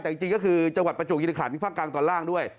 แต่จริงก็คือจังหวัดประจูกยินขาดภาคกลางตอนล่างด้วย